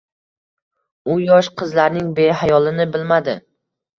U yosh qizlarning behayolini bilmadi.